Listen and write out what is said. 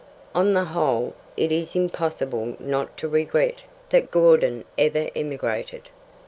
On the whole, it is impossible not to regret that Gordon ever emigrated.